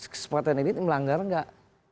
kesepakatan elit melanggar nggak